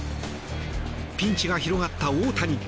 ピンチが広がった大谷。